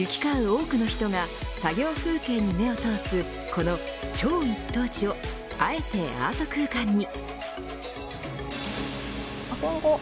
多くの人が作業風景に目をとおすこの超一等地をあえてアート空間に。